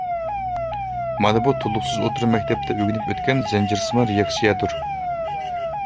مانا بۇ تولۇقسىز ئوتتۇرا مەكتەپتە ئۆگىنىپ ئۆتكەن زەنجىرسىمان رېئاكسىيەدۇر.